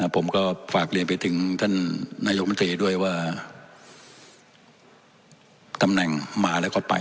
ผมก็ฝากเรียนไปถึงท่านนายกรมนตรีด้วยว่าตำแหน่งมหาลัยคดไป